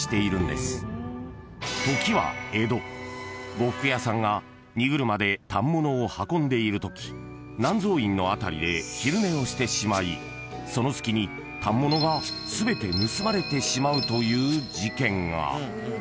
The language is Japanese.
［呉服屋さんが荷車で反物を運んでいるとき南蔵院の辺りで昼寝をしてしまいその隙に反物が全て盗まれてしまうという事件が］